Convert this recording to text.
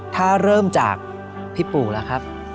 ถ้าเริ่มจากพี่ปู่ล่ะครับ